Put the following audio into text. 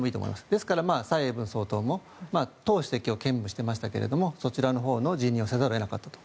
ですから蔡英文総統も党主席を兼務していましたがそちらのほうの辞任をせざるを得なかったと。